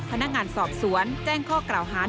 พนักงานสอบสวนแจ้งข้อกล่าวหา